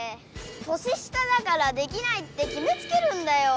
年下だからできないってきめつけるんだよ。